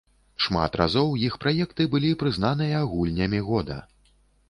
Шмат разоў іх праекты былі прызнаныя гульнямі года.